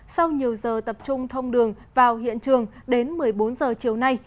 sau nhiều giờ tập trung thông đường vào hiện trường đến một mươi bốn giờ chiều nay